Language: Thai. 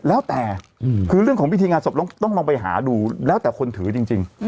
แล้วแต่คือเรื่องของพิธีงานศพต้องลองไปหาดูแล้วแต่คนถือจริง